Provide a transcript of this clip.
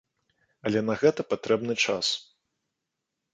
Але на гэта патрэбны час.